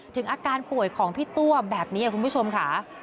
ถึงอาการป่วยของพี่ตัวแบบนี้คุณผู้ชมค่ะ